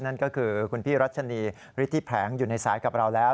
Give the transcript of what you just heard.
นั่นก็คือคุณพี่รัชนีฤทธิแผงอยู่ในสายกับเราแล้ว